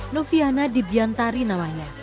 noviana dibiantari namanya